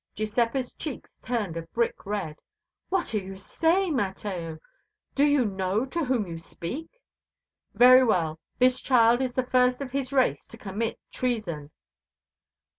Giuseppa's cheeks turned a brick red. "What are you saying, Mateo? Do you know to whom you speak?" "Very well, this child is the first of his race to commit treason."